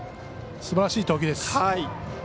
すばらしい投球です。